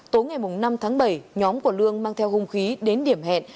tối ngày năm tháng bảy nhóm của lương mang theo hung khí đến điểm hẹn